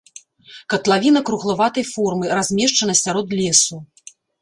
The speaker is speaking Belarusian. Катлавіна круглаватай формы, размешчана сярод лесу.